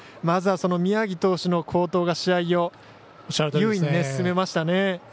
まずは、宮城投手の好投が試合を優位に進めましたね。